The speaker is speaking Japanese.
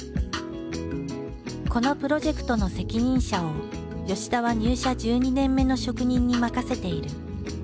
このプロジェクトの責任者を田は入社１２年目の職人に任せている。